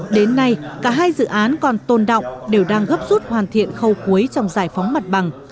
đến nay cả hai dự án còn tồn động đều đang gấp rút hoàn thiện khâu cuối trong giải phóng mặt bằng